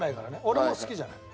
俺も好きじゃない。